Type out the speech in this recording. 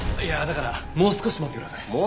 いやだからもう少し待ってください。